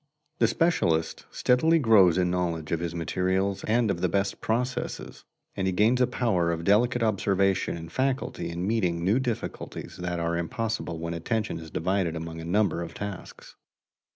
The specialist steadily grows in knowledge of his materials and of the best processes, and he gains a power of delicate observation and facility in meeting new difficulties that are impossible when attention is divided among a number of tasks.